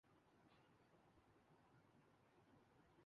اپنی دولت پر فکر نہ کرو